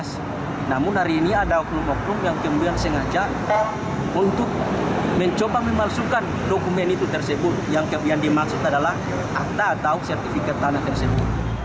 namun hari ini ada oknum oknum yang kemudian sengaja untuk mencoba memalsukan dokumen itu tersebut yang kemudian dimaksud adalah akta atau sertifikat tanah tersebut